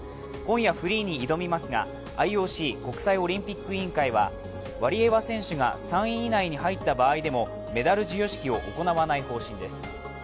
今夜、フリーに挑みますが、ＩＯＣ＝国際オリンピック委員会はワリエワ選手が３位以内に入った場合でもメダル授与式を行わない方針です。